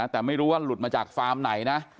แต่ไม่รู้ว่าหลุดมาจากฟาร์มไหนนะ